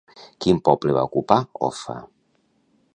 Quin poble va ocupar Offa?